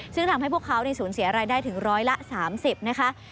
ซึ่งทำให้พวกเขาสูญเสียรายได้ถึงร้อยละ๓๐นะคะ